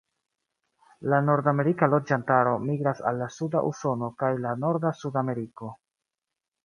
La nordamerika loĝantaro migras al la suda Usono kaj la norda Suda Ameriko.